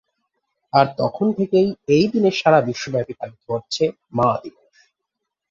আর তখন থেকেই এই দিনে সারা বিশ্বব্যাপী পালিত হচ্ছে মা দিবস।